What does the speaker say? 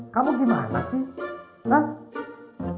kamu gimana sih